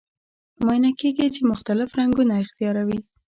معاینه کیږي چې مختلف رنګونه اختیاروي.